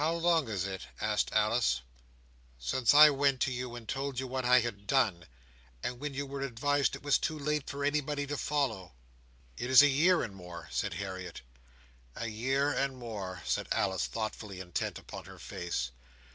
"How long is it," asked Alice, "since I went to you and told you what I had done, and when you were advised it was too late for anyone to follow?" "It is a year and more," said Harriet. "A year and more," said Alice, thoughtfully intent upon her face.